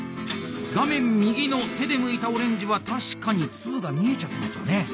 画面右の手でむいたオレンジは確かに粒が見えちゃってますよね。